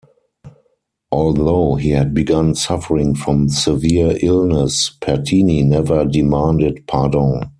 Although he had begun suffering from severe illness, Pertini never demanded pardon.